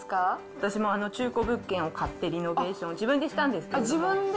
私も中古物件を買ってリノベーション、自分でしたんですけど自分で？